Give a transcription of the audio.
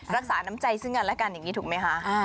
รักษาน้ำใจซึ่งกันและกันอย่างนี้ถูกไหมคะ